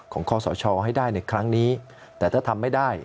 คอสชให้ได้ในครั้งนี้แต่ถ้าทำไม่ได้